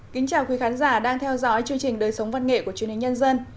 xin chào quý khán giả đang theo dõi chương trình đời sống văn nghệ của chuyên hình nhân dân